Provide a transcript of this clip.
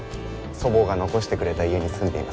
祖母が残してくれた家に住んでいます。